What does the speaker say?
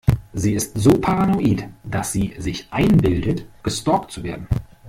Sie ist so paranoid, dass sie sich einbildet, gestalkt zu werden.